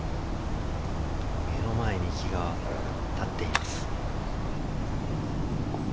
目の前に木が立っています。